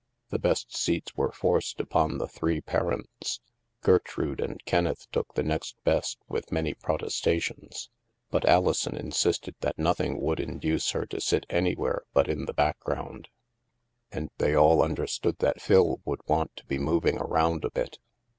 The best seats were forced upon the three par ents. Gertrude and Kenneth took the next best with many protestations; but Alison insisted that noth ing would induce her to sit anywhere but in the background, and they all understood that Phil would want to be moving around a bit.